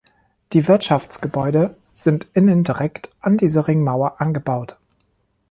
Die Wirtschaftsgebäude sind innen direkt an diese Ringmauer angebaut.